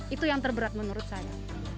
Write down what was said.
itu yang terberat menurut saya